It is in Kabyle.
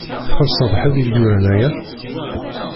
Txellṣeḍ ḥedd i k-d-yuran aya?